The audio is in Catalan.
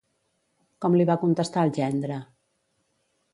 Com li va contestar el gendre?